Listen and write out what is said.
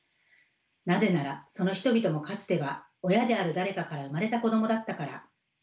なぜならその人々もかつては親である誰かから生まれた子どもだったから。